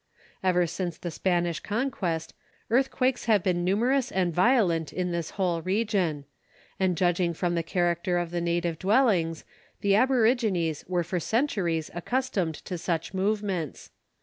Ever since the Spanish conquest, earthquakes have been numerous and violent in this whole region; and judging from the character of the native dwellings, the aborigines were for centuries accustomed to such movements.